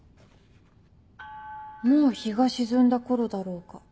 「もう日が沈んだ頃だろうか。